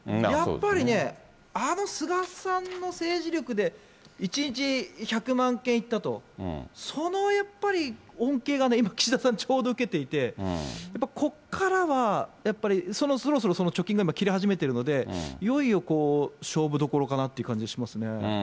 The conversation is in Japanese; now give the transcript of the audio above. やっぱりね、あの菅さんの政治力で、１日１００万件いったと、そのやっぱり恩恵がね、今、岸田さん、ちょうど受けていて、やっぱ、ここからは、やっぱりそろそろ貯金が切れ始めているので、いよいよ勝負どころかなという感じがしますね。